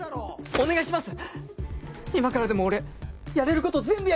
お願いします！